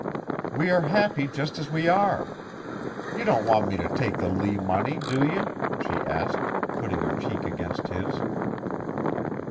"We are happy just as we are! You don't want me to take the Lee money, do you?" she asked, putting her cheek against his.